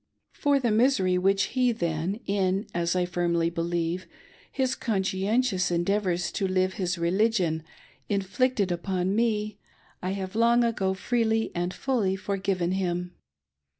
For the misery which he then, in — as I firmly believe — his conscientious endeavors to live his religion, inflicted upon me, I have long ago freely and fully forgiven him.